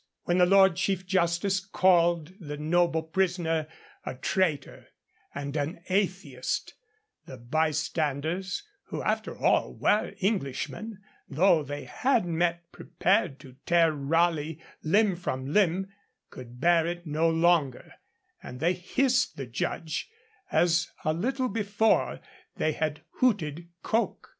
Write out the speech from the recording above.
When the Lord Chief Justice called the noble prisoner a traitor and an atheist, the bystanders, who after all were Englishmen, though they had met prepared to tear Raleigh limb from limb, could bear it no longer, and they hissed the judge, as a little before they had hooted Coke.